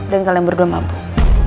dan kalian berdua mabuk